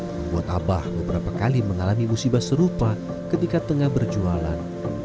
membuat abah beberapa kali mengalami musibah serupa ketika tengah berjualan